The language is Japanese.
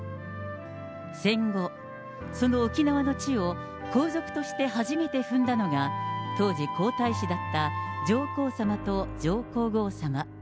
戦後、その沖縄の地を皇族として初めて踏んだのが、当時、皇太子だった上皇さまと上皇后さま。